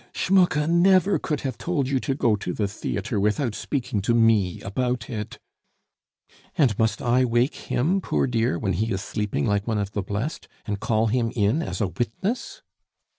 "Schmucke never could have told you to go to the theatre without speaking to me about it " "And must I wake him, poor dear, when he is sleeping like one of the blest, and call him in as a witness?"